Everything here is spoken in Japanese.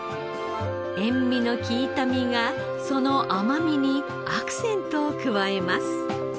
塩味の利いた実がその甘みにアクセントを加えます。